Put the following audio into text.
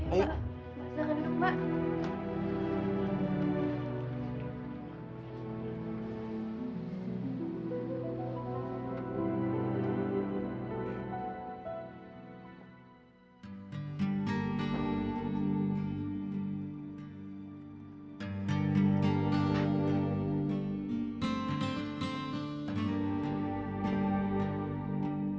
ayo mbak masalah dulu mbak